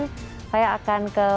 segmen saya akan ke